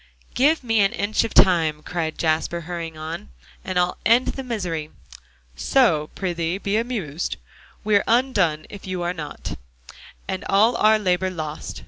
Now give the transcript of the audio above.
"Give me an inch of time," cried Jasper, hurrying on, "and I'll end the misery: "'So prithee, be amused; We're undone, if you are not, And all our labor lost.